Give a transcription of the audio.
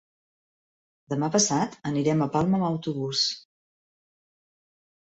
Demà passat anirem a Palma amb autobús.